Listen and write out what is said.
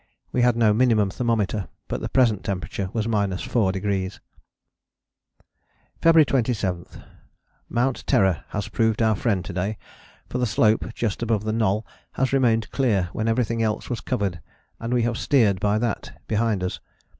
We had no minimum thermometer, but the present temperature was 4°. "February 27. Mount Terror has proved our friend to day, for the slope just above the Knoll has remained clear when everything else was covered, and we have steered by that behind us.